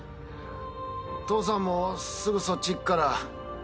父さんもすぐそっちいくから。